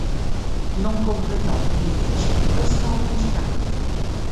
Non completò invece lo slalom gigante.